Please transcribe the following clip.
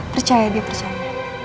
percaya dia percaya